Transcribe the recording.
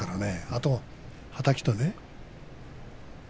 あとは、はたきと。